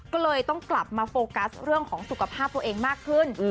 ก็เลยต้องกลับมาโฟกัสเรื่องของสุขภาพตัวเองมากขึ้น